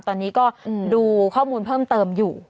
เจ้าของฟาร์มตอนนี้ก็ดูข้อมูลเพิ่มเติมอยู่